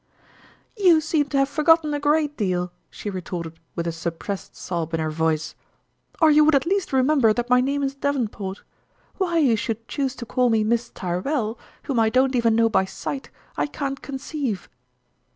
" You seem to have forgotten a great deal," she retorted, with a suppressed sob in her voice, " or you would at least remember that my name is Davenport. Why you should choose to call me Miss Tyrrell, whom I don't even know by sight, I can't conceive